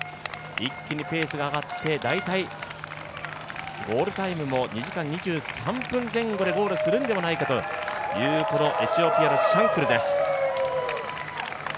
一気にペースが上がって、大体ゴールタイムも２時間２３分前後でゴールするのではないかというエチオピアのシャンクルです。